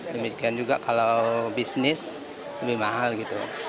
demikian juga kalau bisnis lebih mahal gitu